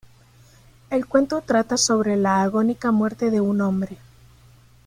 El cuento trata sobre la agónica muerte de un hombre.